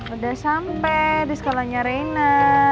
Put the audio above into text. udah sampai di sekolahnya reina